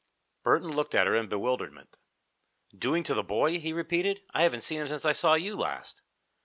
Burton looked at her in bewilderment. "Doing to the boy?" he repeated. "I haven't seen him since I saw you last."